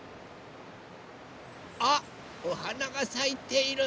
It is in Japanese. あっおはながさいている。